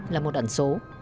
là một đoạn số